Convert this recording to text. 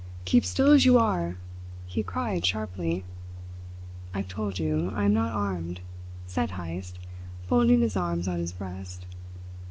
"Keep still as you are!" he cried sharply. "I've told you I am not armed," said Heyst, folding his arms on his breast.